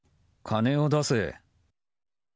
金を出せ。